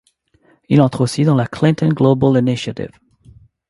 Il entre aussi dans la Clinton Global Initiative.